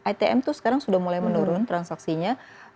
itm itu sekarang sudah mulai menurun transaksinya